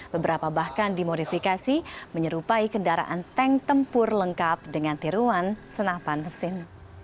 beberapa bahkan dimodifikasi menyerupai kendaraan tank tempur lengkap dengan tiruan senapan mesin